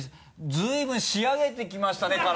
随分仕上げて来ましたね体。